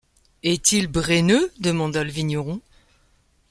Est-il breneux ? demanda le vigneron.